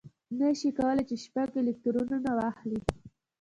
نه شي کولای چې شپږ الکترونه واخلي.